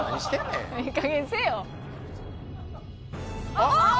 あっ！